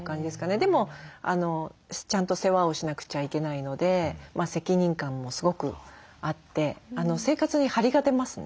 でもちゃんと世話をしなくちゃいけないので責任感もすごくあって生活に張りが出ますね